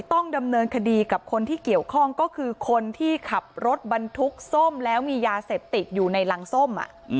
ต้องดำเนินคดีกับคนที่เกี่ยวข้องก็คือคนที่ขับรถบรรทุกส้มแล้วมียาเสพติดอยู่ในรังส้ม